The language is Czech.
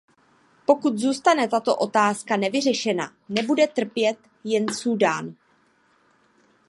Pokud zústane tato otázka nevyřešena, nebude trpět jen Súdán.